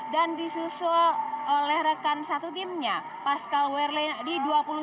dan disusul oleh rekan satu timnya pascal wehrlein di dua puluh satu